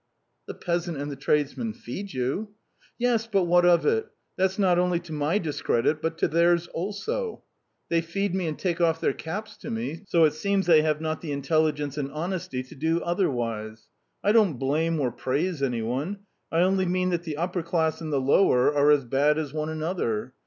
"The peasant and the tradesman feed you." "Yes, but what of it? That's not only to my discredit, but to theirs too. They feed me and take off their caps to me, so it seems they have not the intelligence and honesty to do otherwise. I don't blame or praise any one: I only mean that the upper class and the lower are as bad as one another.